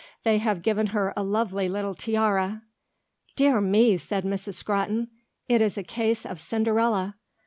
They have given her a lovely little tiara." "Dear me," said Miss Scrotton; "it is a case of Cinderella.